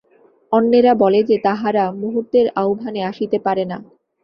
অন্যেরা বলে যে, তাহারা মুহূর্তের আহ্বানে আসিতে পারে না।